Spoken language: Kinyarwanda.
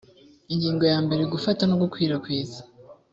ingingo ya mbere gufata no gukwirakwiza